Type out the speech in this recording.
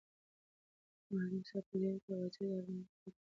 معلم صاحب په ډېرې تواضع د ارمان کاکا تر څنګ کېناست.